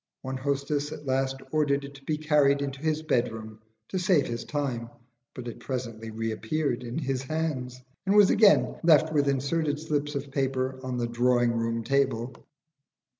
One hostess at last ordered it to be carried into his bedroom to save his time; but it presently reappeared in his hands, and was again left with inserted slips of paper on the drawing room table.